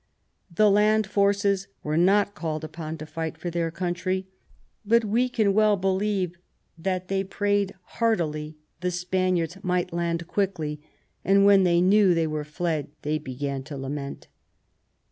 The land forces were not called upon to fight for their country; but we can well believe that "they prayed heartily the Spaniards might land quickly; and when they knew they were fled, they began to lament